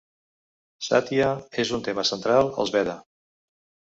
"Satya" és un tema central als Veda.